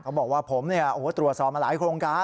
บอกว่าผมตรวจสอบมาหลายโครงการ